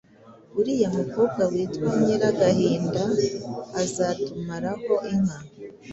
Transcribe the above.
uriya mukobwa witwa Nyiragahinda azatumaraho inka